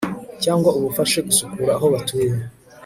cyangwa ubafashe gusukura aho batuye